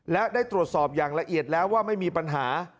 และได้ตรวจสอบอย่างละเอียดแล้วว่าไม่มีปัญหา